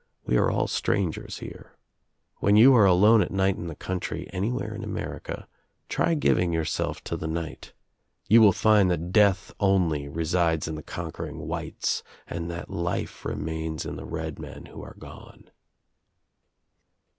We are all strangers here. When you are alone at night in the country, anywhere in America, try giving yourself to the night. You will iind that death only resides in the conquering whites and that life remains in the red men who arc gone."